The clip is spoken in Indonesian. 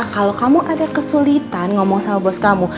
kalau kamu ada kesulitan ngomong sama bos kamu